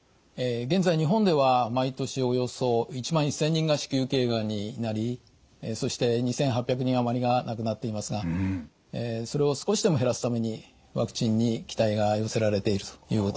現在日本では毎年およそ１万１，０００人が子宮頸がんになりそして２，８００人余りが亡くなっていますがそれを少しでも減らすためにワクチンに期待が寄せられているということです。